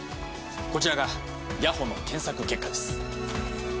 こちらが谷保の検索結果です。